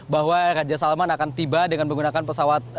bahwa raja salman akan tiba dengan menggunakan pesawat